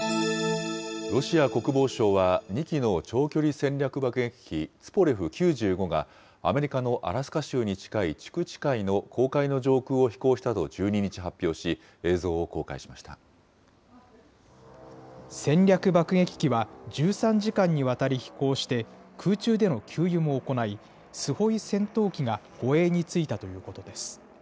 ロシア国防省は２機の長距離戦略爆撃機ツポレフ９５がアメリカのアラスカ州に近いチュクチ海の公海の上空を飛行したと１２日戦略爆撃機は、１３時間にわたり飛行して、空中での給油も行い、スホイ戦闘機が護衛についたということです。